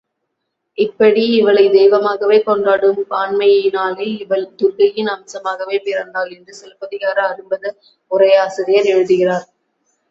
இப்படி இவளைத் தெய்வமாகவே கொண்டாடும் பான்மையினாலே, இவள் துர்க்கையின் அம்சமாகவே பிறந்தாள் என்று சிலப்பதிகார அரும்பத உரையாசிரியர் எழுதுகிறார்.